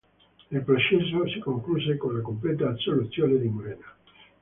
Il processo si concluse con la completa assoluzione di Murena.